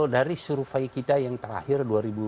dari survei kita yang terakhir dua ribu enam belas